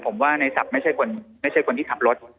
ผมว่าในศัพท์ไม่ใช่คนที่ขับรถ